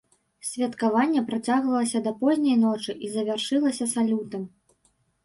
Святкаванне працягвалася да позняй ночы і завяршылася салютам.